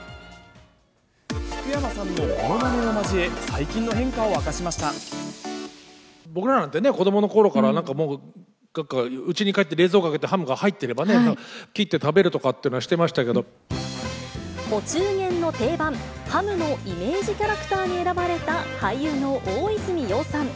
福山さんのものまねを交え、僕らなんてね、子どものころからなんかもう、うちに帰って冷蔵庫開けて、ハムが入ってればね、お中元の定番、ハムのイメージキャラクターに選ばれた俳優の大泉洋さん。